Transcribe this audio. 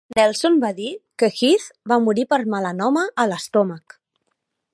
Nelson va dir que Heath va morir per melanoma a l'estómac.